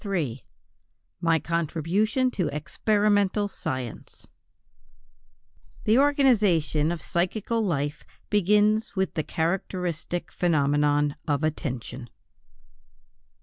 III MY CONTRIBUTION TO EXPERIMENTAL SCIENCE =The organization of psychical life begins with the characteristic phenomenon of attention=.